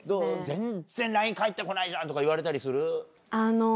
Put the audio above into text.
全然ＬＩＮＥ返って来ないじゃんとか言われたりする？